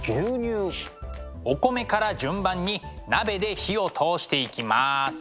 お米から順番に鍋で火を通していきます。